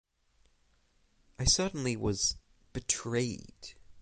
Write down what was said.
I certainly was betrayed.